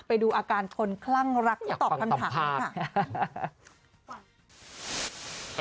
ไปดูอาการคนคลั่งรักที่ตอบคำถามนี้ค่ะ